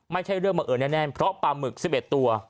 ไม่ใช่เรื่องบังเอิญแน่เพราะปลาหมึก๑๑ตัว